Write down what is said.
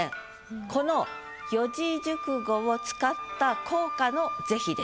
この四字熟語を使った効果の是非です。